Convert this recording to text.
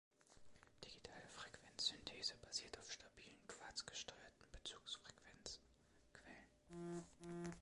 Digitale Frequenzsynthese basiert auf stabilen, quarzgesteuerten Bezugsfrequenzquellen.